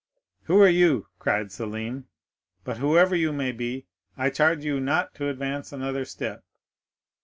'Who are you?' cried Selim. 'But whoever you may be, I charge you not to advance another step.